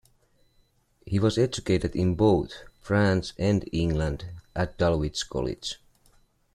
He was educated in both France and England at Dulwich College.